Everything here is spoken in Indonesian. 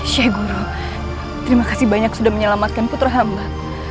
sheikh guru terima kasih banyak sudah menyelamatkan putra hamba